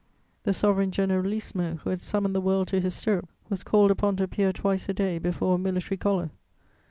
The Sovereign Generalissimo who had summoned the world to his stirrup was called upon to appear twice a day before a military collar.